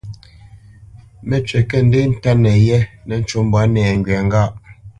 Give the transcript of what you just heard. Mə́cywǐ kə̂ ndê ntánə yé nə́ ncú mbwǎ nɛŋgywa ŋgâʼ.